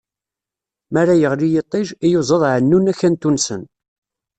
Mi ara yeɣli yiṭij, iyuzaḍ ɛennun akantu-nsen.